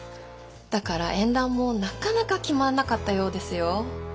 だから縁談もなかなか決まらなかったようですよ。